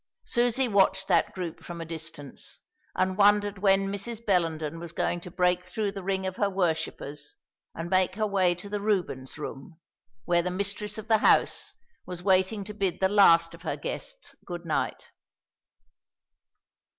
Susie watched that group from a distance, and wondered when Mrs. Bellenden was going to break through the ring of her worshippers and make her way to the Rubens room, where the mistress of the house was waiting to bid the last of her guests good night.